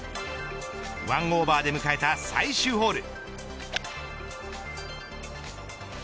１オーバーで迎えた最終ホール。